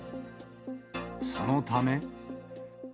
そのため。